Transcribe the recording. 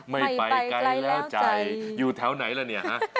ไม่ไปไกลแล้วใจไม่ไปไกลแล้วใจอยู่แถวไหนแล้วเนี่ยฮะ